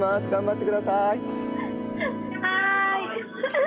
頑張ってください。